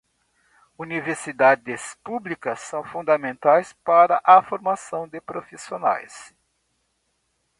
Universidades públicas são fundamentais para a formação de profissionais.